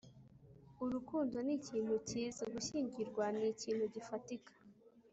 urukundo nikintu cyiza, gushyingirwa nikintu gifatika